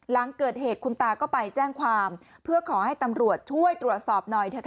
หลังเกิดเหตุคุณตาก็ไปแจ้งความเพื่อขอให้ตำรวจช่วยตรวจสอบหน่อย